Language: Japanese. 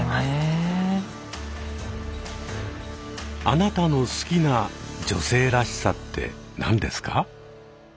あなたの好きな女性らしさって何ですか？